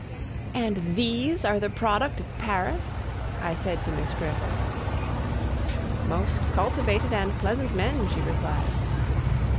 "And these are the product of Paris!" I said to Miss Griffith. "Most cultivated and pleasant men," she replied.